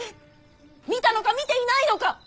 見たのか見ていないのか！